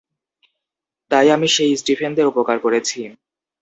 তাই আমি সেই স্টিফেনদের উপকার করেছি।